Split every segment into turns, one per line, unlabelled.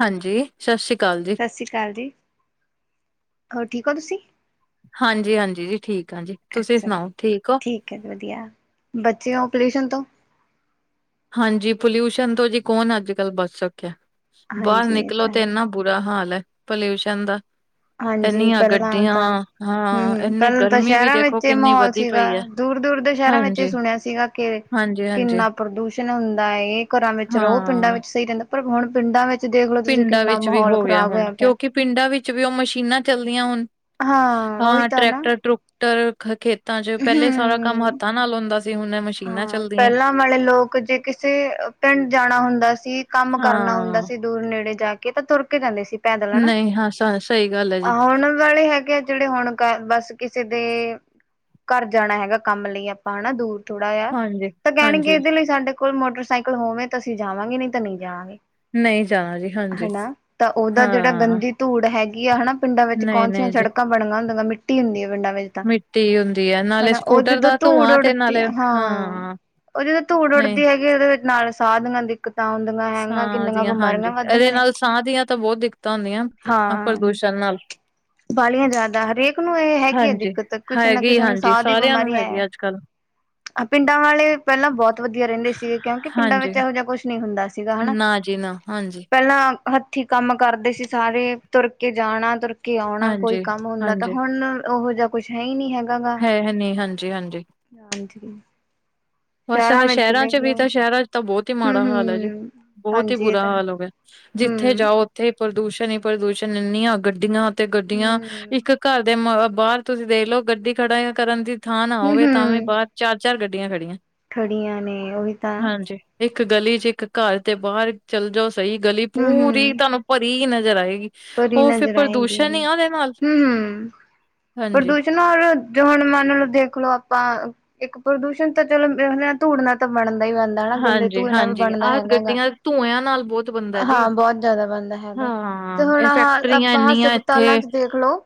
ਹਾਂਜੀ ਸਤਿ ਸ੍ਰੀ ਅਕਾਲ ਜੀ
ਸਤਿ ਸ਼੍ਰੀ ਅਕਾਲ ਜੀ ਹੋਰ ਠੀਕ ਹੋ ਤੁਸੀਂ
ਹਾਂਜੀ ਹਾਂਜੀ ਜੀ ਠੀਕ ਆਾਂ ਜੀ ਤੁਸੀਂ
ਚਲੋ
ਸੁਣਾਓ ਠੀਕ ਹੋ।
ਵਧੀਆ ਬੱਚੇ ਹੋ ਪੋਲਿਊਸ਼ਨ ਤੋਂ
ਹਾਂਜੀ ਪੋਲਿਊਸ਼ਨ ਤੋਂ ਜੀ ਕੌਣ ਅੱਜ ਕੱਲ੍ਹ ਬਚ ਚੁੱਕਿਆ ਬਾਹਰ
ਹਾਂਜੀ ਇਹ
ਨਿਕਲੋ
ਤਾਂ
ਤੇ
ਹੈ,
ਇੰਨਾ ਬੁਰਾ ਹਾਲ ਏ ਪੋਲਿਊਸ਼ਨ ਦਾ
ਹਾਂਜੀ
ਇੰਨੀਆਂ
ਪਹਿਲਾਂ
ਗੱਡੀਆਂ
ਤਾਂ
ਹਾਂ
ਹਮ
ਇੰਨੀ
ਪਹਿਲਾਂ
ਗਰਮੀ ਵੀ ਦੇਖੋ ਕਿੰਨੀ ਵਧੀ ਪਈ ਹੈ।
ਦੂਰ ਦੂਰ ਦੇ ਸ਼ਹਿਰਾਂ ਵਿੱਚ ਇਹ
ਹਾਂਜੀ,
ਸੁਣਿਆ ਸੀਗਾ ਕਿ
ਹਾਂਜੀ-ਹਾਂਜੀ
ਕਿੰਨਾ ਪ੍ਰਦੂਸ਼ਣ ਹੁੰਦਾ ਹੈ, ਘਰਾਂ ਵਿੱਚ ਰਹੋ। ਪਿੰਡਾਂ
ਹਾਂ।
ਵਿੱਚ ਸਹੀ ਰਹਿੰਦਾ, ਪਰ ਹੁਣ ਪਿੰਡਾਂ ਵਿੱਚ ਤੁਸੀਂ ਦੇਖਲੋ, ਤੁਸੀਂ
ਪਿੰਡਾਂ
ਕਿੰਨਾ
ਵਿੱਚ ਵੀ
ਮਾਹੌਲ
ਹੋ ਗਿਆ
ਖ਼ਰਾਬ
ਹੁਣ
ਹੋਇਆ ਪਿਆ।
ਕਿਉਂਕਿ ਪਿੰਡਾਂ ਵਿੱਚ ਵੀ ਉਹ ਮਸ਼ੀਨਾਂ ਚੱਲਦੀਆਂ ਹੋਣ,
ਉਹੀ
ਹਾਂ
ਤਾਂ ਨਾ
ਟਰੈਕਟਰ- ਟਰੁਕ ਟਕ ਖੇਤਾਂ ਚ, ਪਹਿਲੇ ਸਾਰਾ ਕੰਮ
ਹਮ
ਹੱਥਾਂ ਨਾਲ ਹੁੰਦਾ ਸੀ ਹੁਣ ਇਹ ਮਸ਼ੀਨਾਂ
ਹਾਂ
ਚੱਲਦੀਆਂ।
ਪਹਿਲਾਂ ਵਾਲੇ ਲੋਕ ਜੇ ਕਿਸੇ ਪਿੰਡ ਜਾਣਾ ਹੁੰਦਾ ਸੀ, ਕੰਮ ਕਰਨਾ
ਹਾਂ।
ਹੁੰਦਾ ਸੀ ਦੂਰ ਨੇੜੇ ਜਾ ਕੇ, ਤਾਂ ਤੁਰ ਕੇ ਜਾਂਦੇ ਸੀ ਪੈਦਲ, ਹੈਨਾ।
ਨਹੀਂ ਹਾਂ ਸ ਸਹੀ ਗੱਲ ਹੈ
ਆ
ਜੀ
ਹੁਣ ਵਾਲੇ ਹੈਗੇ ਜਿਹੜੇ ਹੁਣ ਕਰ ਬਸ ਕਿਸੇ ਦੇ ਘਰ ਜਾਣਾ ਹੈਗਾ ਕੰਮ ਲਈ ਆਪਾਂ ਹੈਨਾ ਦੂਰ ਥੋੜ੍ਹਾ ਜਿਹਾ
ਹਾਂਜੀ
ਤਾਂ ਕਹਿਣਗੇ,
ਹਾਂਜੀ
ਇਹਦੇ ਲਈ ਸਾਡੇ ਕੋਲ ਮੋਟਰਸਾਈਕਲ ਹੋਵੇ ਤਾਂ ਅਸੀਂ ਜਾਵਾਂਗੇ, ਨਹੀਂ ਤਾਂ ਨਹੀਂ ਜਾਵਾਂਗੇ।
ਨਹੀਂ ਜਾਣਾ ਜੀ ਹਾਂਜੀ
ਹੈਨਾ, ਤਾਂ ਉਹਦਾ ਜਿਹੜਾ
ਹਾਂ
ਗੰਦੀ ਧੂੜ ਹੈਗੀ ਆ ਹੈਨਾ, ਪਿੰਡਾਂ ਵਿੱਚ
ਨਹੀਂ
ਕੌਣ ਸਿਆ
ਨਹੀਂ ਜੀ
ਸੜਕਾਂ, [unintelligible] ਮਿੱਟੀ ਹੁੰਦੀ ਏ ਪਿੰਡਾਂ ਵਿੱਚ ਤਾਂ।
ਮਿੱਟੀ ਹੁੰਦੀ ਹੈ ਨਾਲੇ
ਹੈਨਾ, ਉਹ
ਸਕੂਟਰ
ਜਦੋਂ
ਦਾ
ਧੂੜ
ਧੂੰਆਂ ਤੇ
ਉੱਡਦੀ,
ਨਾਲੇ
ਹਾਂ। ਉਹ ਜਦੋਂ ਧੂੜ
ਨਹੀਂ
ਉੱਡਦੀ ਹੈਗੀ, ਉਹਦੇ ਵਿੱਚ ਨਾਲ ਸਾਧ ਦੇ ਨਾਲ ਦਿੱਕਤ ਆਂਦੀ
ਸਾਹ ਦੀਆਂ ਹਾਂਜੀ, ਇਹਦੇ ਨਾਲ ਸਾਹ ਦੀਆਂ ਤਾਂ ਬਹੁਤ ਦਿੱਕਤਾਂ ਹੁੰਦੀਆਂ। ਹਾਂ, ਪ੍ਰਦੂਸ਼ਣ ਨਾਲ
ਵਾਲੀਆਂ ਜ਼ਿਆਦਾ, ਹਰੇਕ ਨੂੰ ਇਹ ਹੈਗੀ ਹੈ
ਹਾਂਜੀ
ਦਿੱਕਤ, ਕਿਸੇ ਨਾ
ਹੈਗੀ
ਕਿਸੇ ਨੂੰ
ਹਾਂਜੀ
ਸਾਹ ਦੀ
ਸਾਰਿਆਂ ਨੂੰ
ਬਿਮਾਰੀ ਹੈ।
ਹੈਗੀ ਅੱਜ ਕੱਲ
ਪਿੰਡਾਂ ਵਾਲੇ ਪਹਿਲਾਂ ਬਹੁਤ ਵਧੀਆ ਰਹਿੰਦੇ ਸੀ। ਕਿਉਂਕਿ ਪਿੰਡਾਂ
ਹਾਂਜੀ
ਵਿੱਚ ਇਹੋ ਜਿਹਾ ਕੁਛ ਨਹੀਂ ਹੁੰਦਾ ਸੀਗਾ। ਹਨਾ
ਨਾ ਜੀ ਨਾ, ਹਾਂਜੀ।
ਪਹਿਲਾਂ ਹੱਥੀਂ ਕੰਮ ਕਰਦੇ ਸੀ ਸਾਰੇ, ਤੁਰ ਕੇ ਜਾਣਾ, ਤੁਰ ਕੇ ਆਉਣਾ, ਕੋਈ
ਹਾਂਜੀ
ਕੰਮ ਹੁੰਦਾ ਤਾਂ।
ਹਾਂਜੀ
ਹੁਣ ਉਹੋ ਜਿਹਾ ਕੁਛ ਹੈ ਹੀ ਨਹੀਂ ਹੈਗਾ ਗਾ।
ਹੈ ਨੀ ਹਾਂਜੀ ਹਾਂਜੀ
[unintelligible]
ਬਸ ਹਾਂ
ਵਿੱਚ
ਸ਼ਹਿਰਾਂ ਚ
ਦੇਖ
ਵੀ
ਲਓ
ਤਾਂ, ਸ਼ਹਿਰਾਂ ਚ ਤਾਂ ਬਹੁਤ ਹੀ ਮਾੜਾ ਹਾਲ ਹੈ ਜੀ,
ਹੂੰ-ਹੂੰ,
ਬਹੁਤ ਹੀ
ਹਾਂਜੀ ਇਹ
ਬੁਰਾ
ਤਾਂ ਹੈ
ਹਾਲ ਹੋ ਗਿਆ। ਜਿੱਥੇ
ਹੂੰ।
ਜਾਓ ਉੱਥੇ ਪ੍ਰਦੂਸ਼ਣ ਹੀ ਪ੍ਰਦੂਸ਼ਣ, ਇੰਨੀਆਂ ਗੱਡੀਆਂ ਤੇ ਗੱਡੀਆਂ,
ਹੂੰ,
ਇੱਕ ਘਰ ਦੇ ਮਾ ਬਾਹਰ ਤੁਸੀਂ ਦੇਖਲੋ ਗੱਡੀ ਖੜਾ ਕਰਨ ਦੀ ਥਾਂ ਨਾ ਹੋਵੇ ਤਾਂ ਵੀ
ਹੂੰ-ਹੂੰ
ਬਾਹਰ ਚਾਰ- ਚਾਰ ਗੱਡੀਆਂ ਖੜੀਆਂ।
ਖੜੀਆਂ ਨੇ, ਉਹ ਈ
ਹਾਂਜੀ ਇੱਕ ਗਲੀ ਚ ਇੱਕ ਘਰ ਤੇ ਬਾਹਰ ਚੱਲ ਜਾਓ ਸਹੀ, ਗਲੀ ਪੂਰੀ ਤੁਹਾਨੂੰ ਭਰੀ ਹੀ ਨਜ਼ਰ ਆਏਗੀ।
ਭਰੀ
ਉਹ ਫਿਰ
ਨਜ਼ਰ ਆਏਗੀ,
ਪ੍ਰਦੂਸ਼ਣ ਹੀ
ਹੂੰ
ਆ ਉਹਦੇ ਨਾਲ
ਹੂੰ ਹੂੰ।
ਹਾਂਜੀ।
ਪਰਦੂਸ਼ ਨਾ ਹੋਰ [unintelligible] ਮਨ ਨੂੰ ਦੇਖਲੋ। ਆਪਾਂ ਇੱਕ ਪ੍ਰਦੂਸ਼ਣ ਤਾਂ ਚਲੋ ਵੇਖਨੇ ਆਂ, ਧੂੜਨਾ ਤਾਂ ਬਣਦਾ ਹੀ ਬਣਦਾ। ਹੈਨਾ ਗੰਦੇ ਧੂਏਂ ਨਾਲ ਵੀ
ਹਾਂਜੀ-ਹਾਂਜੀ
ਬਣਦਾ
ਆਹ
ਹੈਗਾ ਵਾ,
ਗੱਡੀਆਂ ਧੂੰਆਂ ਨਾਲ ਬਹੁਤ ਬਣਦਾ ਜੀ
ਹਾਂ ਬਹੁਤ ਜ਼ਿਆਦਾ ਬਣਦਾ ਹੈਗਾ। ਤੇ
ਹਾਂ
ਹੁਣ
ਇਹ
ਹਾਲ
ਫੈਕਟਰੀਆਂ
ਆਪਾਂ
ਇੰਨੀਆਂ
ਹਸਪਤਾਲਾਂ
ਇੱਥੇ
ਚ ਦੇਖਲੋ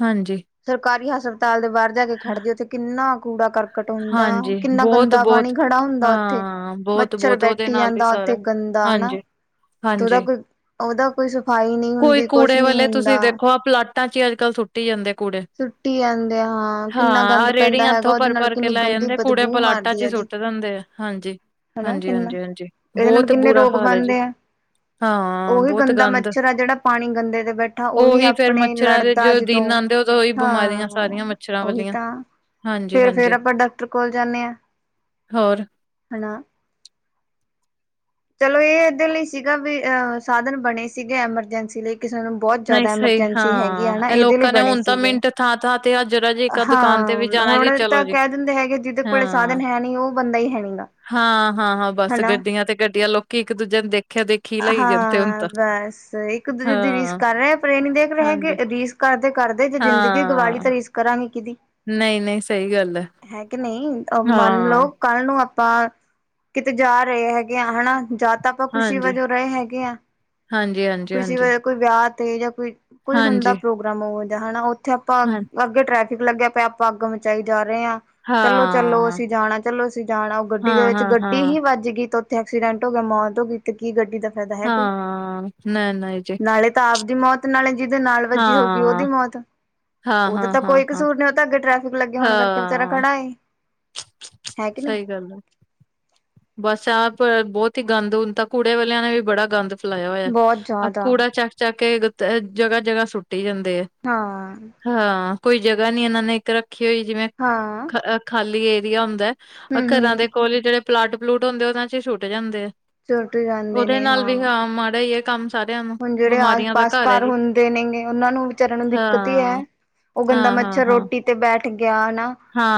ਹਾਂਜੀ,
ਸਰਕਾਰੀ ਹਸਪਤਾਲ ਦੇ ਬਾਹਰ ਜਾ ਕੇ
ਹਾਂ,
ਖੜਦੇ, ਉੱਥੇ ਕਿੰਨਾ ਕੂੜਾ ਕਰ ਕਟ ਹੁੰਦਾ,
ਹਾਂਜੀ
ਕਿੰਨਾ ਗੰਦਾ
ਬਹੁਤ-ਬਹੁਤ
ਪਾਣੀ ਖੜਾ ਹੁੰਦਾ ਉੱਥੇ,
ਹਾਂ
ਮੱਛਰ
ਬਹੁਤ-ਬਹੁਤ ਉਹਦੇ
ਬੈਠੀ
ਨਾਲ ਵੀ
ਜਾਂਦਾ
ਸਾਰਾ
ਉੱਥੇ ਗੰਦਾ ਹੈਨਾ, ਤੇ ਉਹਦਾ
ਹਾਂਜੀ-ਹਾਂਜੀ
ਕੋਈ ਉਹਦਾ ਕੋਈ ਸ ਸਫਾਈ ਨਹੀਂ
ਕੋਈ
ਹੁੰਦੀ, ਕੁਛ
ਕੂੜੇ
ਨੀ
ਵਾਲੇ
ਹੁੰਦਾ।
ਤੁਸੀਂ ਦੇਖੋ ਆਹ ਪਲਾਟਾਂ ਚ ਹੀ ਅੱਜ ਕੱਲ੍ਹ ਸੁੱਟੀ ਜਾਂਦੇ ਕੂੜੇ।
ਸੁੱਟੀ ਜਾਂਦੇ ਆ ਹਾਂ, ਕਿੰਨਾ ਗੰਦ ਪੈਂਦਾ ਹੈਗਾ ਉਹਦੇ ਨਾਲ।
ਚੁੱਕ ਕੇ
ਕਿੰਨੀ
ਲੈ
ਗੰਦੀ
ਜਾਂਦੇ ਆ ਕੂੜੇ,
ਬਦਬੂ
ਪਲਾਟਾ ਚ
ਮਾਰਦੀ ਆ
ਹੀ
ਉਹਦੀ
ਸੁੱਟ ਦਿੰਦੇ ਆ, ਹਾਂਜੀ।
ਹਨਾ
ਹਾਂਜੀ-
ਕਿੰਨਾ
ਹਾਂਜੀ-ਹਾਂਜੀ,
ਇਹਦੇ ਨਾਲ
ਬਹੁਤ
ਕਿੰਨੇ
ਬੁਰਾ
ਰੋਗ
ਹਾਲ ਹੈ ਜੀ।
ਬਣਦੇ ਆ
ਹਾਂ,
ਉਹੀ
ਬਹੁਤ
ਗੰਦਾ
ਗੰਦ।
ਮੱਛਰ ਆ ਜਿਹੜਾ ਪਾਣੀ ਗੰਦੇ ਤੇ ਬੈਠਾ
ਉਹੀ ਫੇਰ
ਆਪਣੇ
ਮੱਛਰਾਂ ਦੇ
ਲੜਦਾ
ਜੋ
ਜਦੋਂ
ਦਿਨਾ ਆਂਦ
ਹਾਂ, ਉਹੀ ਤਾਂ। ਫਿਰ-ਫਿਰ ਅ
ਹਾਂਜੀ-ਹਾਂਜੀ
ਆਪਾਂ ਡਾਕਟਰ ਕੋਲ ਜਾਂਦੇ ਹਾਂ,
ਹੋਰ
ਹੈਨਾ। ਚਲੋ ਇਹ ਇਹਦੇ ਲਈ ਸੀਗਾ ਵੀ ਅਹ ਸਾਧਨ ਬਣੇ ਸੀਗੇ ਐਮਰਜੈਂਸੀ ਲਈ, ਕਿਸੇ ਨੂੰ ਬਹੁਤ
ਨਹੀਂ
ਜ਼ਿਆਦਾ
ਸਹੀ
ਐਮਰਜੈਂਸੀ ਹੈਗੀ
ਹਾਂ
ਹੈ ਨਾ,
ਇਹ
ਇਹਦੇ ਲਈ
ਲੋਕਾਂ ਨੇ
ਬਣੇ
ਹੁਣ
ਸੀ।
ਤਾਂ
ਸੀਗੇ
ਮਿੰਟ ਥਾਂ-ਥਾਂ ਤੇ ਆ ਜਰਾ ਜੀ
[unintelligible]
ਇੱਕ ਦੁਕਾਨ
ਹਾਂ
ਤੇ ਵੀ ਜਾਣਾ
ਹੁਣ
ਜੀ ਚਲੋ
ਇਦਾਂ
ਜੀ
ਕਹਿ ਦਿੰਦੇ ਹੈਗੇ ਜ ਦੇ ਕੋਲ ਸਾਧਨ ਹੈ ਨੀ ਉਹ ਬੰਦਾ ਹੀ ਹੈ ਨਹੀਂ ਗਾ
ਹਾਂ ਹਾਂ ਹਾਂ ਬਸ
ਹਨਾ
ਗੱਡੀਆਂ ਤੇ ਗੱਡੀਆਂ ਲੋਕੀ ਇੱਕ ਦੂਜੇ ਨੇ ਦੇਖਿਆ ਦੇਖੀ ਲਾਈ ਜਾਂਦੇ ਹੁਣ
ਹਾਂ
ਤਾਂ
[unintelligible] [unintelligible] ਰੀਸ
ਹਾਂ
ਕਰ ਰਹੇ ਪਰ ਇਹ ਨੀ ਦੇਖ ਰਹੇ
ਹਾਂਜੀ
ਕਿ ਰੀਸ ਕਰਦੇ ਕਰਦੇ ਜੇ ਜ਼ਿੰਦਗੀ ਗਵਾਲੀ
ਹਾਂ
ਤਾਂ ਰੀਸ ਕਰਾਂਗੇ ਕਿਹਦੀ
ਨਹੀਂ-ਨਹੀਂ ਸਹੀ ਗੱਲ
ਹੈ ਕਿ ਨਹੀਂ ਮਨ ਲੋ
ਹਾਂ
ਕੱਲ ਨੂੰ ਆਪਾਂ, ਕਿਤੇ ਜਾ ਰਹੇ ਹੈਗੇ ਹਾਂ। ਹਨਾ, ਜਾ- ਤਾਂ ਆਪਾਂ, ਖੁਸ਼ੀ
ਹਾਂਜੀ।
ਵਜੋਂ ਰਹੇ ਹੈਗੇ ਹੈ। ਖੁਸ਼ੀ
ਹਾਂਜੀ-ਹਾਂਜੀ-ਹਾਂਜੀ,
ਵਜੋਂ। ਕੋਈ ਵਿਆਹ ਤੇ, ਜਾਂ ਕੋਈ, ਕੋਈ ਹੁੰਦਾ
ਹਾਂਜੀ ਹਾਂਜੀ,
ਪ੍ਰੋਗਰਾਮ ਹੋ। ਜਾਂ ਹਨਾ, ਉੱਥੇ ਆਪਾਂ।
ਹਾਂਜੀ,
ਅੱਗੇ ਟ੍ਰੈਫਿਕ, ਲੱਗਿਆ ਪਿਆ, ਆਪਾਂ ਅੱਗ ਮਚਾਈ, ਜਾ ਰਹੇ ਹਾਂ। ਚਲੋ-ਚਲੋ, ਅਸੀਂ ਜਾਣਾ, ਚਲੋ ਅਸੀਂ ਜਾਣਾ। ਉਹ ਗੱਡੀ ਦੇ ਵਿੱਚ, ਗੱਡੀ
ਹਾਂ-ਹਾਂ-ਹਾਂ,
ਹੀ ਵੱਜ ਗਈ। ਐਕਸੀਡੈਂਟ ਹੋ ਗਿਆ। ਮੌਤ ਹੋ ਗਈ। ਤੇ ਕੀ, ਗੱਡੀ ਦਾ ਫਾਇਦਾ ਹੈ, ਕੋਈ?
ਹਾਂ ਨਹੀਂ-ਨਹੀਂ ਜੀ
ਨਾਲੇ ਤਾ ਆਬ ਦੀ ਮੌਤ, ਨਾਲੇ ਜਿਹਦੇ ਨਾਲ ਵੱਜੀ ਹੋਓਗੀ।
ਹਾਂ।
ਉਹਦੀ ਮੌਤ, ਉਹਦਾ ਤਾਂ
ਹਾਂ-ਹਾਂ-ਹਾਂ-ਹਾਂ,
ਕੋਈ
ਹਾਂ
ਕਸੂਰ- ਨ ਔ ਤੇ ਅੱਗੇ, ਟਰੈਫਿਕ ਲੱਗਾ।
ਹਾਂ
ਹੈ ਕਿ ਨਹੀਂ
ਸਹੀ ਗੱਲ ਹੈ। ਬਸ ਆਪ, ਬਹੁਤ ਹੀ ਗੰਦ, ਹੁੰਣ ਤਾਂ, ਕੂੜੇ ਵਾਲਿਆਂ ਨੇ ਵੀ, ਬੜਾ ਗੰਦ। ਫਲਾਇਆ ਹੋਇਆ।
ਬਹੁਤ
ਆ
ਜ਼ਿਆਦਾ
ਕੂੜਾ, ਚੱਕ- ਚੱਕ, ਕੇ ਜਗਾ- ਜਗਾ ਸੁੱਟੀ ਜਾਂਦੇ ਆ।
ਹਾਂ।
ਹਾਂ। ਕੋਈ ਜਗਾ ਨੀ, ਇਹਨਾਂ ਨੇ, ਇੱਕ ਰੱਖੀ ਹੋਈ। ਜਿਵੇਂ।
ਹਾਂ।
ਅ ਖਾਲੀ ਏਰੀਆ ਹੁੰਦਾ ਏ।
ਹੂੰ
ਘਰਾਂ
ਹੂੰ
ਦੇ ਕੋਲ, ਜਿਹੜੇ ਪਲਾਟ- ਪਲੂਟ, ਹੁੰਦੇ ਉਹਨਾਂ ਚ ਛੁਟ ਜਾਂਦੇ ਆ।
ਟੁੱਟ, ਜਾਂਦੇ ਨੇ ਹਾਂ।
ਹਾ, ਮਾੜਾ ਹੀ, ਹੈ ਕੰਮ। ਸਾਰਿਆਂ ਨੂੰ
ਹੁਣ ਜਿਹੜੇ, ਆਸ-
ਬਿਮਾਰੀਆਂ ਦਾ
ਪਾਸ,
ਹੈ
ਘਰ
ਜੀ
ਹੁੰਦੇ ਨੇਗੇ। ਉਹਨਾਂ ਨੂੰ ਵਿਚਾਰਿਆਂ ਨੂੰ, ਦਿੱਕਤ ਹੀ, ਹੈ।
ਹਾਂ।
ਉਹ ਗੰਦਾ
ਹਾਂ ਹਾਂ
ਮੱਛਰ,
ਹਾਂ
ਰੋਟੀ ਤੇ ਬੈਠ ਗਿਆ। ਹਨਾ।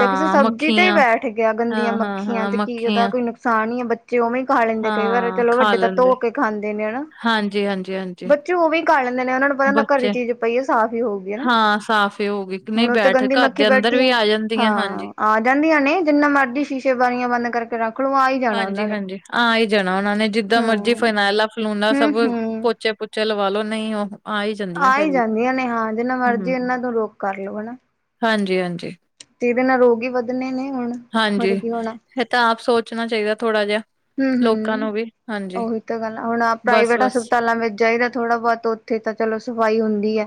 ਜਾਂ, ਕਿਸੇ ਸਬਜ਼ੀ ਤੇ ਹੀ,
ਮੱਖੀਆਂ
ਬੈਠ ਗਿਆ। ਗੰਦੀਆਂ
ਹਾਂ ਹਾਂ
ਮੱਖੀਆਂ
ਹਾਂ
ਤੇ, ਕੀ ਉਹਦਾ
ਮੱਖੀਆਂ।
ਕੋਈ ਨੁਕਸਾਨ ਹੀ, ਹੈ। ਕੀ, ਉਵੇਂ ਹੀ, ਖਾ ਲੈਂਦੇ ਕਈ ਵਾਰ।
ਹਾਂ
ਚਲੋ
ਖਾ
ਵੱਡੇ ਤਾਂ,
ਲੈਂਦੇ
ਧੋ ਕੇ ਖਾਂਦੇ ਨੇ ਹਨਾ।
ਹਾਂਜੀ- ਹਾਂਜੀ। ਹਾਂਜੀ
ਬੱਚੇ, ਉਹ ਵੀ, ਖਾਂ ਲੈਂਦੇ ਨੇ, ਉਹਨਾਂ ਨੂੰ ਪਤਾ ਨਾ, ਘਰ ਹੀ
ਬੱਚੇ
ਚੀਜ਼ ਪਈਏ। ਸਾਫ਼ ਹੀ ਹੋਊਗੀ।
ਹਾਂ ਸਾਫ਼ ਹੀ ਹੋਗੀ ਨਹੀਂ
ਹੁਣ, ਉਹ ਤੇ
ਬੈਠ
ਗੰਦੀ
ਘਰ
ਮੱਕੀ
ਦੇ ਅੰਦਰ
ਬੈਠੀ ਆ।
ਵੀ ਜਾਂਦੀਆਂ ਹਾਂਜੀ।
ਹਾਂ। ਆ ਜਾਂਦੀਆਂ ਨੇ, ਜਿੰਨਾ ਮਰਜ਼ੀ ਸ਼ੀਸ਼ੇ- ਬਾਰੀਆਂ, ਬੰਦ ਕਰਕੇ ਰੱਖ। ਲਓ ਆ ਹੀ ਜਾਣਾ ਉਹਨਾਂ
ਹਾਂਜੀ-
ਨੇ।
ਹਾਂਜੀ, ਆ ਹੀ ਜਾਣਾ ਉਹਨਾਂ ਨੇ। ਜਿੱਦਾਂ ਮਰਜੀ
ਹੂੰ,
ਫਰਨੈਲਾ- ਫਲੂਨਾ ਸਭ
ਹੂੰ-ਹੂੰ।
ਪੋਚੇ ਪੁ। ਚਲ, ਵਾਲੋ ਨਹੀਂ ਉਹ। ਆ ਹੀ ਜਾਂਦੀਆਂ
ਆ ਹੀ
ਫੇਰ ਵੀ
ਜਾਂਦੀਆਂ ਨੇ, ਹਾਂ। ਜਿੰਨਾ ਮਰਜ਼ੀ ਉਹਨਾਂ ਤੋਂ, ਰੋਕ ਕਰ ਲੋ, ਹਨਾ।
ਹਾਂਜੀ- ਹਾਂਜੀ।
ਤੇ ਇਹਦੇ ਨਾਲ, ਰੋਗ ਹੀ ਵੱਧਣੇ ਨੇ। ਹੁਣ,
ਹਾਂਜੀ
ਹੋਰ
ਹਾਂਜੀ
ਕੀ ਹੋਣਾ?
ਇਹ ਤਾਂ ਆਪ ਸੋਚਣਾ ਚਾਹੀਦਾ, ਥੋੜਾ ਜਿਹਾ। ਲੋਕਾਂ
ਹੂੰ-ਹੂੰ,
ਨੂੰ ਵੀ ਹਾਂਜੀ
ਉਹੀ ਤਾਂ ਗੱਲ ਆ। ਹੁਣ ਪ੍ਰਾਈਵੇਟ
ਬਸ-ਬਸ
ਹਸਪਤਾਲਾਂ, ਵਿੱਚ ਜਾਈਦਾ ਥੋੜਾ ਬਹੁਤ। ਉੱਥੇ ਤਾਂ, ਚਲੋ ਸਫ਼ਾਈ ਹੁੰਦੀ ਹੈ।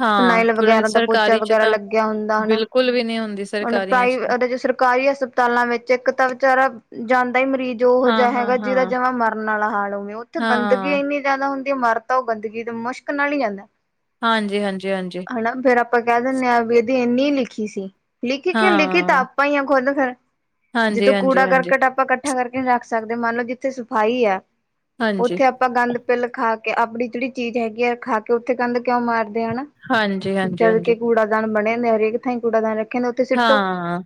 ਹਾਂ
ਵਗੈਰਾ, ਦਾ ਪੋਚਾ ਵਗੈਰਾ ਲੱਗਿਆ ਹੁੰਦਾ, ਹਨਾ।
ਕੁਲ ਵੀ, ਨਹੀਂ ਹੁੰਦੀ ਸੀ।
ਹੁਣ, ਪ੍ਰ ਸਰਕਾਰੀ ਹਸਪਤਾਲਾਂ, ਵਿੱਚ ਇੱਕ ਤਾਂ ਵਿਚਾਰਾ। ਜਾਂਦਾ ਹੀ ਮਰੀਜ਼, ਉਹੋ ਜਿਹਾ ਹੈਗਾ। ਜਿਹਦਾ
ਹਾਂ-ਹਾਂ-ਹਾਂ,
ਜਮਾ ਮਰਨ ਵਾਲਾ, ਹਾਲ ਹੋਵੇ। ਉੱਥੇ ਗੰਦਗੀ
ਹਾਂ
ਇੰਨੀ। ਜ਼ਿਆਦਾ ਹੁੰਦੀ ਮਰ ਤਾਂ, ਉਹ। ਗੰਦਗੀ ਤੇ ਮੁਸ਼ਕ ਨਾਲ ਹੀ, ਜਾਂਦਾ।
ਹਾਂਜੀ, ਹਾਂਜੀ- ਹਾਂਜੀ।
ਹਨਾ, ਫੇਰ ਆਪਾਂ, ਕਹਿ ਦਿੰਦੇ ਹਾਂ। ਵੀ ਇਹਦੀ ਇੰਨੀ ਲਿਖੀ ਸੀ। ਲਿਖੀ ਕਿਉਂ, ਲਿਖਿ ਤਾ
ਹਾਂ।
ਆਪ। ਪਾਇਆ ਖੁੱਦ ਫੇਰ, ਜਦੋਂ ਕੂੜਾ
ਹਾਂਜੀ-ਹਾਂਜੀ-ਹਾਂਜੀ,
ਕਰਕਟ ਆਪਾਂ। ਕੱ- ਇਕੱਠਾ ਕਰਕੇ, ਰੱਖ ਸਕਦੇ। ਮੰਨ ਲਓ ਜਿੱਥੇ, ਸਫਾਈ ਹੈ।
ਹਾਂਜੀ,
ਉੱਥੇ। ਆਪਾਂ ਗੰਦ ਪਿੱਲ ਖਾ ਕੇ ਆਪਣੀ ਜਿਹੜੀ ਚੀਜ਼ ਹੈਗੀ ਹੈ ਖਾ ਕੇ ਉੱਥੇ ਗੰਦ ਕਿਉਂ ਮਾਰਦੇ ਹਨਾ ਜਦਕ
ਹਾਂਜੀ-ਹਾਂਜੀ-ਹਾਂਜੀ।
ਕੂੜਾਦਾਨ ਬਣੇ ਹੁੰਦੇ ਹਰੇਕ ਥਾਈਂ ਕੂੜਾਦਾਨ ਰੱਖੇਦੇ
ਹਾਂ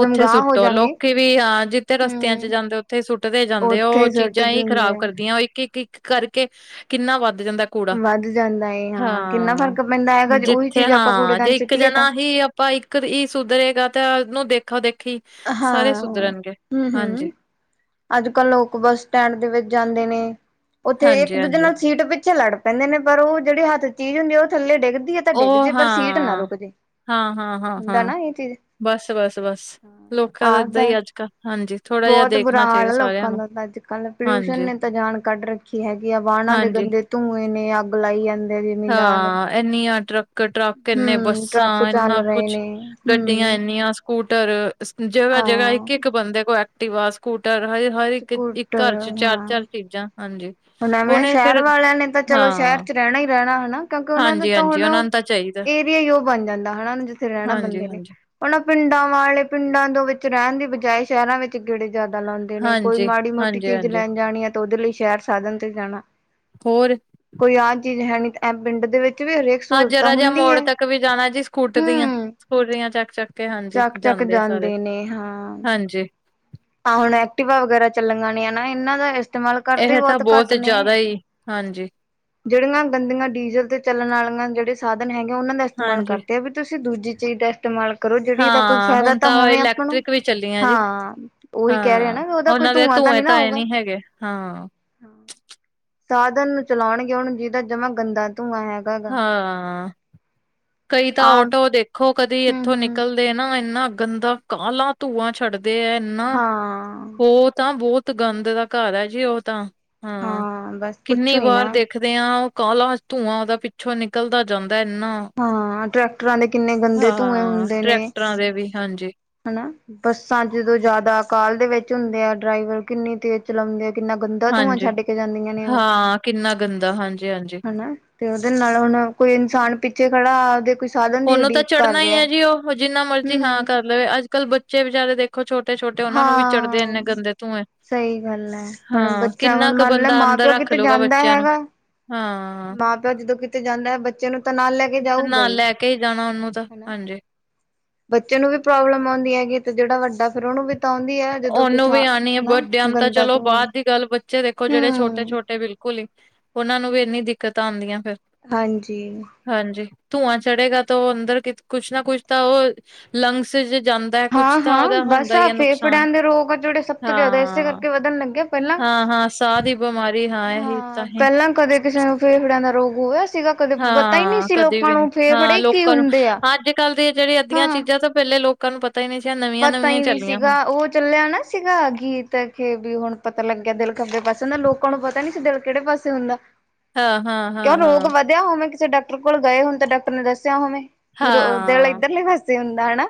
ਉੱਥੇ
ਹੋ
ਸੁੱਟੋ
ਜਾਂਗੇ
ਲੋਕੀ ਵੀ ਹਾਂ ਜਿੱਥੇ ਰਸਤਿਆਂ ਚ ਜਾਂਦੇ ਉੱਥੇ ਸੁੱਟਦੇ ਜਾਂਦੇ। ਉਹ
ਉੱਥੇ ਸੁੱਟ
ਚੀਜ਼ਾਂ ਹੀ,
ਦਿੰਦੇ
ਖ਼ਰਾਬ
ਆ।
ਕਰਦੀਆਂ। ਉਹ ਇੱਕ, ਇੱਕ, ਇੱਕ, ਕਰਕੇ ਕਿੰਨਾ ਵੱਧ ਜਾਂਦਾ। ਕੂੜਾ,
ਵੱਧ ਜਾਂਦਾ ਏ ਕਿੰਨਾ
ਹਾਂ।
ਫ਼ਰਕ ਪੈਂਦਾ ਹੈਗਾ ਜੇ ਉਹੀ
ਜਿੱਥੇ,
ਚੀਜ਼ ਆਪਾਂ
ਹਾਂ।
ਕੂੜੇਦਾਨ
ਜੇ ਇੱਕ
ਸਿੱਟੀਏ ਤਾਂ
ਜਾਣਾ ਹੀ। ਭਾਈ, ਇੱਕ ਹੀ ਸੁਧਰੇਗਾ, ਤੇ ਇਹਨੂੰ ਦੇਖਾ- ਦੇਖੀ। ਸਾਰੇ
ਹਾਂ।
ਸੁਧਰਨਗੇ
ਹੂੰ-
ਹਾਂਜੀ
ਹੂੰ। ਅੱਜ ਕੱਲ, ਲੋਕ ਬੱਸ ਸਟੈਂਡ, ਦੇ ਵਿੱਚ ਜਾਂਦੇ ਨੇ। ਉੱਥੇ, ਇੱਕ-
ਹਾਂਜੀ
ਦੂਜੇ
ਹਾਂਜੀ
ਨਾਲ ਸੀਟ ਪਿੱਛੇ, ਲੜ ਪੈਂਦੇ ਨੇ। ਪਰ ਉਹ ਜਿਹੜੀ, ਹੱਥ ਚੀਜ਼ ਹੁੰਦੀ ਉਹ, ਥੱਲੇ ਡਿੱਗਦੀ ਹੈ। ਤਾਂ ਡਿੱਗ
ਉਹ
ਜੇ, ਪਰ ਸੀਟ ਨਾ
ਹਾਂ
ਰੁਕ ਜੇ,
ਹਾਂ ਹਾਂ ਹਾਂ ਹਾਂ
ਹੁੰਦਾ ਨਾ ਇਹ ਚੀਜ਼।
ਬਸ, ਬਸ- ਬਸ, ਲੋਕਾਂ ਦਾ ਏਦਾਂ
ਆਪਦਾ
ਹੀ, ਅੱਜ ਕੱਲ। ਹਾਂਜੀ। ਥੋੜਾ ਜਿਹਾ
ਬਹੁਤ ਬੁਰਾ
ਦੇਖਣਾ
ਹਾਲ
ਚਾਹੀਦਾ
ਆ।
ਸਾਰਿਆਂ
ਲੋਕਾਂ
ਨੂੰ
ਦਾ, ਤਾਂ ਅੱਜ ਕੱਲ। ਪੋਲਿਊਸ਼ਨ
ਹਾਂਜੀ
ਨੇ ਤਾਂ, ਜਾਨ ਕੱਢ ਰੱਖੀ ਹੈਗੀ, ਆ। ਵਾਹਨਾਂ ਦੇ
ਹਾਂਜੀ
ਗੰਦੇ। ਧੂੰਏ ਨੇ ਅੱ
ਹਾਂ ਇਨੀਆਂ ਟਰੱਕ ਟਰੱਕ ਇੰਨੇ
ਹਮ
ਬੱਸਾਂ
ਟਰੱਕ ਚੱਲ
ਇਨਾ
ਰਹੇ
ਕੁਛ
ਨੇ
ਗੱਡੀਆਂ
ਹਮ
ਇੰਨੀਆਂ ਸਕੂਟਰ ਜਗ੍ਹਾ ਜਗ੍ਹਾ ਇੱਕ
ਹਾਂ
ਇੱਕ ਬੰਦੇ ਕੋਲ ਐਕਟਿਵ ਆ ਸਕੂਟਰ ਹਜ ਹਰ ਇੱਕ ਇੱਕ
ਸਕੂਟਰ
ਘਰ ਚ ਚਾਰ ਚਾਰ ਚੀਜ਼ਾਂ ਹਾਂਜੀ
ਹਣਵੇਂ
ਉਹਨੇ
ਸ਼ਹਿਰ
ਫਿਰ
ਵਾਲਿਆਂ ਨੇ ਤਾਂ ਚਲੋ ਸ਼ਹਿਰ
ਹਾਂ
ਚ ਰਹਿਣਾ ਹੀ ਰਹਿਣਾ ਹਨਾ ਕਿਉਂਕਿ ਉਹਨਾਂ ਦਾ
ਹਾਂਜੀ
ਤਾਂ
ਹਾਂਜੀ
ਹੁਣ
ਉਹਨਾਂ ਨੂੰ ਤਾਂ ਚਾਹੀਦਾ
ਏਰੀਆ ਹੀ ਉਹ ਬਣ ਜਾਂਦਾ ਹਨਾ ਜਿੱਥੇ ਰਹਿਣਾ
ਹਾਂਜੀ
ਬੰਦੇ ਨੇ
ਹਾਂਜੀ
ਉਹਨਾਂ ਪਿੰਡਾਂ ਵਾਲੇ ਪਿੰਡਾਂ ਦੇ ਵਿੱਚ ਰਹਿਣ ਦੀ ਬਜਾਏ ਸ਼ਹਿਰਾਂ ਵਿੱਚ ਗੇੜੇ ਜ਼ਿਆਦਾ ਲਾਉਂਦੇ ਨੇ ਕੋਈ
ਹਾਂਜੀ
ਮਾੜੀ ਮੋਟੀ
ਹਾਂਜੀ
ਚੀਜ਼
ਹਾਂਜੀ
ਲੈਣ ਜਾਣੀ ਆ ਤੇ ਉਹਦੇ ਲਈ ਸ਼ਹਿਰ ਸਾਧਨ ਤੇ ਜਾਣਾ
ਹੋਰ
ਕੋਈ ਆਹ ਚੀਜ਼ ਹੈ ਨਹੀਂ ਇਹ ਪਿੰਡ ਦੇ ਵਿੱਚ ਵੀ ਹਰੇਕ
ਹਾਂ
ਸਹੂਲਤ
ਜਰਾ ਜਿਹਾ
ਹੁੰਦੀ ਹੈ
ਮੋੜ ਤੱਕ ਵੀ ਜਾਣਾ ਜੀ ਸਕੂਟਰੀਆਂ
ਹਮ
ਸਕੂਟਰੀਆਂ ਚੱਕ ਚੱਕ ਕੇ ਹਾਂਜੀ
ਚੱਕ ਚੱਕ
ਸਾਰੇ
ਜਾਂਦੇ ਨੇ ਹਾਂ
ਹਾਂਜੀ
ਤਾਂ ਹੁਣ ਐਕਟੀਿਵਾ ਵਗੈਰਾ ਚੱਲਣਗੀਆਂ ਨਾ ਇਹਨਾਂ ਦਾ ਇਸਤੇਮਾਲ ਕਰਦੇ
ਇਹ ਤਾਂ
ਬਹੁਤ ਘੱਟ ਨੇ
ਜ਼ਿਆਦਾ ਹੀ ਹਾਂਜੀ
ਜਿਹੜੀਆਂ ਗੰਦੀਆਂ ਡੀਜ਼ਲ ਤੇ ਚੱਲਣ ਵਾਲੀਆਂ ਜਿਹੜੇ ਸਾਧਨ ਹੈਗਾ ਉਹਨਾਂ ਦਾ ਇਸਤੇਮਾਲ
ਹਾਂਜੀ
ਕਰਦੇ ਆ ਵੀ ਤੁਸੀਂ ਦੂਜੀ ਚੀਜ਼ ਦਾ ਇਸਤੇਮਾਲ ਕਰੋ ਜਿਹੜੀ ਇਹਦਾ ਕੋਈ
ਹਾਂ
ਫਾਇਦਾ
ਹੁਣ
ਤਾਂ ਹੋਵੇ ਆਪਾਂ ਨੂੰ
ਇਲੈਕਟ੍ਰਿਕ ਵੀ ਚੱਲੀਆਂ ਜੀ
ਹਾਂ ਉਹੀ ਕਹਿ ਰਹੇ
ਹਾਂ
ਨਾ ਵੀ ਉਹਦਾ ਕੋਈ
ਉਹਨਾਂ ਦੇ
ਧੂੰਆਂ ਤਾਂ
ਧੂੰਏ
ਨਹੀਂ ਨਾ
ਧਾਏ
ਆਊਗਾ
ਨੀ ਹੈਗੇ ਹਾਂ
ਸਾਧਨ ਨੂੰ ਚਲਾਉਣਗੇ ਹੁਣ ਜਿਹਦਾ ਜਮਾਂ ਗੰਦਾ ਧੂੰਆਂ ਹੈਗਾ ਗਾ
ਹਾਂ ਕਈ ਤਾਂ
ਆਮ
ਆਟੋ ਦੇਖੋ ਕਦੀ
ਹੂੰ
ਇੱਥੋਂ
ਹੂੰ
ਨਿਕਲ ਨਾ ਇੰਨਾ ਗੰਦਾ ਕਾਲਾ ਧੂੰਆਂ ਛੱਡਦੇ ਹੈ ਇੰਨਾ
ਹਾਂ
ਉਹ ਤਾਂ ਬਹੁਤ ਤ ਗੰਦ ਦਾ ਘਰ ਹੈ ਜੀ ਉਹ ਤਾਂ
ਹਾਂ ਬਸ ਪੁੱਛੋ ਹੀ ਨਾ
ਰਖਦੇ ਹਾਂ ਉਹ ਕਾਲਾ ਧੂੰਆਂ ਉਹਦਾ ਪਿੱਛੋਂ ਨਿਕਲਦਾ ਜਾਂਦਾ ਇੰਨਾ
ਹਾਂ ਟਰੈਕਟਰਾਂ ਦੇ ਕਿੰਨੇ ਗੰਦੇ ਧੂੰਏ
ਹਾਂ
ਹੁੰਦੇ ਨੇ
ਟਰੈਕਟਰਾਂ ਦੇ ਵੀ ਹਾਂਜੀ
ਹਨਾ ਬੱਸਾਂ ਜਦੋਂ ਜ਼ਿਆਦਾ ਅਕਾਲ ਦੇ ਵਿੱਚ ਹੁੰਦੇ ਆ ਡਰਾਈਵਰ ਕਿੰਨੀ ਤੇਜ਼ ਚਲਾਉਂਦੇ ਆ ਕਿੰਨਾ ਗੰਦਾ ਧੂੰਆਂ
ਹਾਂਜੀ
ਛੱਡ ਕੇ ਜਾਂਦੀਆਂ ਨੇ ਉਹ
ਹਾਂ ਕਿੰਨਾ ਗੰਦਾ ਹਾਂਜੀ ਹਾਂਜੀ
ਹਨ ਨਾ ਤੇ ਉਹਦੇ ਨਾਲ ਹੁਣ ਕੋਈ ਇਨਸਾਨ ਪਿੱਛੇ ਖੜਾ ਉਹਦੇ ਕੁਛ
ਉਹਨੂੰ ਤਾਂ ਚੜ੍ਹਨਾ ਹੀ ਹੈ ਜੀ ਉਹ ਜਿੰਨਾ ਮਰਜ਼ੀ ਹਾਂ
ਹੂੰ
ਕਰ ਲਵੇ ਅੱਜ ਕੱਲ੍ਹ ਬੱਚੇ ਵਿਚਾਰੇ ਦੇਖ ਦੇਖੋ ਛੋਟੇ ਛੋਟੇ ਉਹਨਾਂ ਨੂੰ ਵੀ ਚੜ੍ਹਦੇ
ਹਾਂ।
ਇੰਨੇ ਗੰਦੇ ਧੂੰਏ
ਸਹੀ ਗੱਲ ਹੈ ਹੁਣ
ਹਾਂ
ਬੱਚਾ
ਕਿੰਨਾ
ਹੁਣ
ਕੁ
ਮੰਨ ਲੈ
ਬੰਦਾ
ਮਾਂ
ਅੰਦਰ
ਪਿਓ ਕਿਤੇ
ਰੱਖਲਉਗਾ
ਜਾਂਦਾ
ਬੱਚਿਆਂ ਨੂੰ
ਹੈਗਾ।
ਹਾਂ
ਮਾਂ ਪਿਓ ਜਦੋਂ ਕਿਤੇ ਜਾਂਦਾ ਬੱਚੇ ਨੂੰ ਤਾਂ ਨਾਲ ਲੈ ਕੇ
ਤੇ ਨਾਲ ਲੈ ਕੇ ਹੀ ਜਾਣਾ ਉਹਨੂੰ ਤਾਂ
ਹਨਾ।
ਹਾਂਜੀ
ਬੱਚੇ ਨੂੰ ਵੀ ਪ੍ਰੋਬਲਮ ਆਉਂਦੀ ਹੈਗੀ ਤੇ ਜਿਹੜਾ ਵੱਡਾ ਫਿਰ ਉਹਨੂੰ ਵੀ ਤਾਉਂਦੀ ਹੈ ਜਦੋਂ
ਉਹਨੂੰ
ਕੁਛ
ਵੀ ਆਉਣੀ ਹੈ
ਹਨਾ
ਵਡਿਆਂ ਤਾਂ
ਗੰਦਾ
ਚਲੋ
ਧੂੰਆਂ
ਬਾਅਦ ਦੀ ਗੱਲ ਬੱਚੇ ਦੇਖੋ ਜਿਹੜੇ ਛੋਟੇ
ਹੂੰ
ਛੋਟੇ ਬਿਲਕੁਲ ਕੁਲੀ ਉਹਨਾ ਨੂੰ ਵੀ ਇੰਨੀ ਦਿੱਕਤਾਂ ਆਉਂਦੀਆਂ ਫਿਰ
ਹਾਂਜੀ
ਹਾਂਜੀ ਧੂੰਆਂ ਚੜ੍ਹੇਗਾ ਤਾਂ ਉਹ ਅੰਦਰ ਕੁਛ ਨਾ ਕੁਛ ਤਾਂ ਉਹ ਲੰਗਸ ਜਾਂਦਾ ਹੈ ਕੁਛ
ਹਾਂ
ਤਾਂ
ਹਾਂ
ਉਹਦਾ
ਬਸ
ਹੁੰਦਾ ਹੀ ਹੈ ਨੁਕਸਾਨ
ਫੇਫੜਿਆਂ ਦੇ ਰੋਗ ਆ ਜਿਹੜੇ ਸਭ ਤੋਂ ਜ਼ਿਆਦਾ ਇਸੇ
ਹਾਂ
ਕਰਕੇ ਵਧਣ ਲੱਗਿਆ ਪਹਿਲਾਂ
ਹਾਂ-ਹਾਂ ਸਾਹ ਦੀ ਬਿਮਾਰੀ ਇਹੀ
ਹਾਂ
ਤਾਂਹੀ
ਪਹਿਲਾਂ ਕਦੇ ਕਿਸ ਫੇਫੜਿਆਂ ਦਾ ਰੋਗ ਹੋਇਆ ਸੀਗਾ ਕਦੇ ਪਤਾ ਹੀ ਨਹੀਂ
ਹਾਂ
ਸੀ
ਕਦੇ
ਲੋਕਾਂ
ਵੀ ਨੀ
ਨੂੰ
ਹਾਂ
ਫੇਫੜੇ ਕੀ
ਲੋਕਾਂ ਨੂੰ
ਹੁੰਦੇ ਆ
ਅੱਜ ਕੱਲ੍ਹ ਦੀ ਜਿਹੜੀ ਅੱਧੀਆਂ
ਹਾਂ
ਚੀਜ਼ਾਂ ਤਾਂ ਪਹਿਲੇ ਲੋਕ ਲੋਕ [inaudible]
ਪਤਾ ਹੀ ਨਹੀਂ ਸੀਗਾ ਉਹ ਚੱਲਿਆ ਨਾ ਸੀਗਾ ਗੀਤ ਕਿ ਵੀ ਹੁਣ ਪਤਾ ਲੱਗਿਆ ਦਿਲ ਖੱਬੇ ਪਾਸੇ ਹੁੰਦਾ ਲੋਕਾਂ ਨੂੰ ਪਤਾ ਨੀ ਸੀ ਦਿਲ ਕਿਹੜੇ ਪਾਸੇ ਹੁੰਦਾ ਕਿਉਂ
ਹਾਂ-ਹਾਂ-ਹਾਂ-ਹਾਂ, ਹਾਂ ਹਾਂ
ਰੋਗ
ਹਾਂ
ਵਧਿਆ ਹੋਵੇਂ ਕਿਸੇ ਡਾਕਟਰ ਕੋਲ ਗਏ ਹੁਣ ਤਾਂ ਡਾਕਟਰ ਨੇ ਦੱਸਿਆ ਹੋਵੇਂ ਪੀਰ
ਹਾਂ
ਇੱਧਰਲਾ ਫਸੀ ਹੁੰਦਾ ਹੈਾ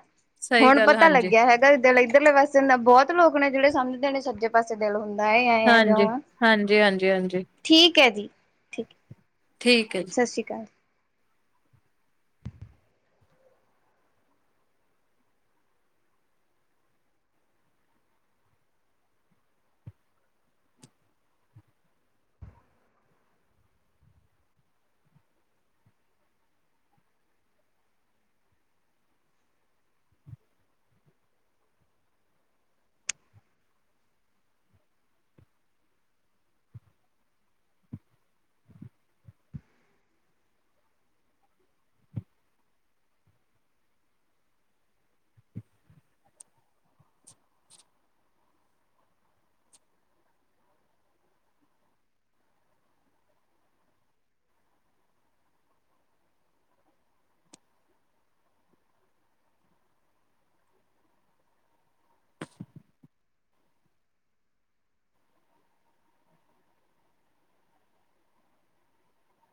ਸਹੀ ਗੱਲ ਹਾਂਜੀ
ਹੈਗਾ ਇੱਧਰ ਇੱਧਰਲੇ ਵਸੇ ਬਹੁਤ ਲੋਕ ਨੇ ਜਿਹੜੇ ਸਮਝਦੇ ਨੇ ਸੱਜੇ ਪਾਸ ਦਿਲ ਹੁੰਦਾ ਹੈ ਆ ਆ ਜੋ
ਹਾਂਜੀ। ਹਾਂਜੀ-ਹਾਂਜੀ, ਹਾਂਜੀ ਹਾਂਜੀ
ਠੀਕ ਹੈ ਜੀ ਠੀਕ
ਠੀਕ ਹੈ ਜੀ
ਸਤਿ ਸ਼੍ਰੀ ਅਕਾਲ ਜੀ